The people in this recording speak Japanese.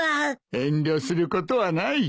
遠慮することはない。